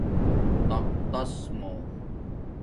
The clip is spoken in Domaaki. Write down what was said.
تختس مُو